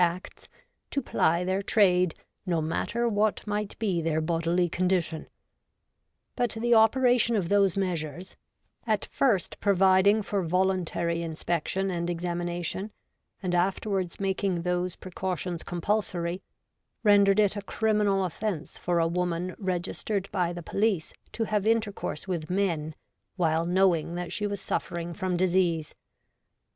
Acts, to ply their trade no matter what might be their bodily condition ; but the operation of those measures, at first providing for voluntary inspection and exami nation, and afterwards making those precautions compulsory, rendered it a criminal offence for a woman registered by the police to have intercourse with men while knowing that she was suffering from disease.